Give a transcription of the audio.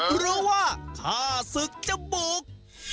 หรือว่าถ้าศึกจะบุก